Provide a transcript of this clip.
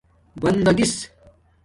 بندَگس